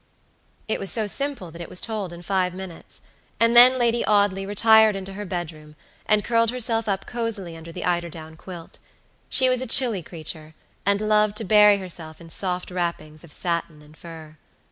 It was so simple that it was told in five minutes, and then Lady Audley retired into her bed room, and curled herself up cozily under the eider down quilt. She was a chilly creature, and loved to bury herself in soft wrappings of satin and fur.